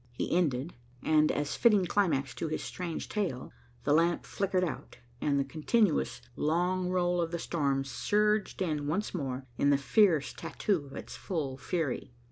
He ended, and as fitting climax to his strange tale, the lamp flickered out, and the continuous long roll of the storm surged in once more in the fierce tattoo of its full fury.